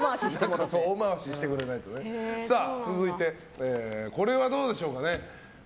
続いてこれはどうでしょうかね。